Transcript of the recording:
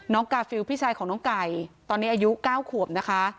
กาฟิลพี่ชายของน้องไก่ตอนนี้อายุ๙ขวบนะคะ